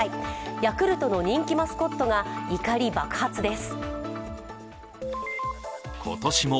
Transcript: ヤクルトの人気マスコットが怒り爆発です。